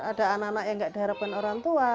ada anak anak yang tidak diharapkan orang tua